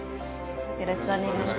よろしくお願いします。